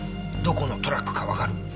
どこのトラックかわかる？